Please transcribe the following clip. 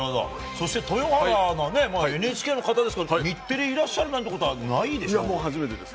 そして、豊原アナ、ＮＨＫの方ですから、日テレいらっしゃるなんてということは、いや、もう初めてです。